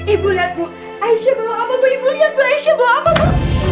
ibu lihat bu aisyah belum apa apa ibu lihat bu aisyah belum apa apa